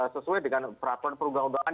sesuai dengan peraturan perundang undangan